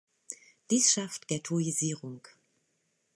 Dies schafft Ghettoisierung.